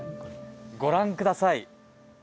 ご覧ください。